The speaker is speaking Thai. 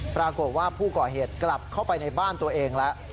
ปรากฏว่าผู้ก่อเหตุกลับเข้าไปในบ้านตัวเองแล้ว